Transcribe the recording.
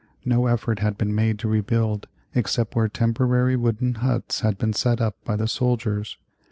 No effort had been made to rebuild except where temporary wooden huts had been set up by the soldiers.